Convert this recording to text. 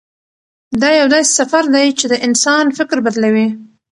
دا یو داسې سفر دی چې د انسان فکر بدلوي.